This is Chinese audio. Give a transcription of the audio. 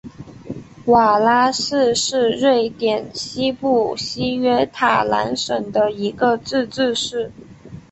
瓦拉市是瑞典西部西约塔兰省的一个自治市。